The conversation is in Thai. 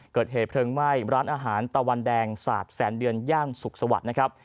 เกิดเหตุเพลิงไหม้ร้านอาหารตะวันแดงศาสตร์แสนเดือนย่านสุขสวัสดิ์นะครับ